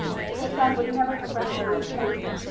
The son would never have recognized him.